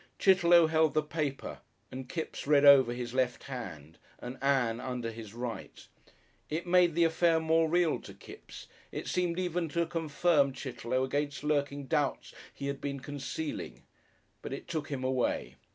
Chitterlow held the paper and Kipps read over his left hand, and Ann under his right. It made the affair more real to Kipps; it seemed even to confirm Chitterlow against lurking doubts he had been concealing. But it took him away.